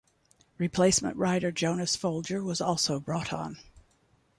Replacement rider Jonas Folger was also brought on.